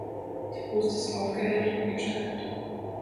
Die Brust ist aufgehellt und gestreift.